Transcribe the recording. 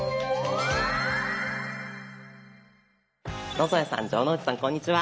野添さん城之内さんこんにちは。